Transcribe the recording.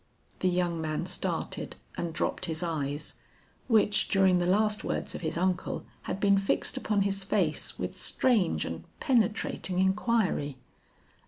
The young man started and dropped his eyes, which during the last words of his uncle had been fixed upon his face with strange and penetrating inquiry.